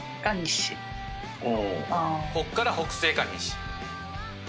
こっから北西か西。